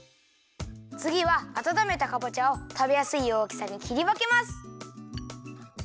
つぎはあたためたかぼちゃをたべやすいおおきさにきりわけます。